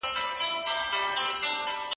ایا ستا په ټولګي کې نظم سته؟